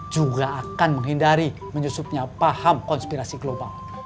juga akan menghindari menyusupnya paham konspirasi global